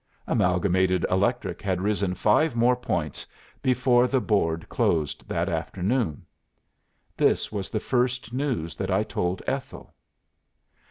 "Amalgamated Electric had risen five more points before the board closed that afternoon. This was the first news that I told Ethel."